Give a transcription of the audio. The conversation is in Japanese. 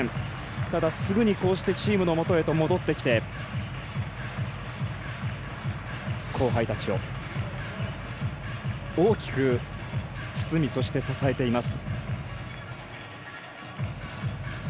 ただ、すぐにチームのもとへと戻ってきて後輩たちを大きく包み、そして支えています。